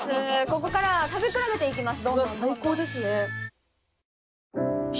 ここからは食べ比べていきます。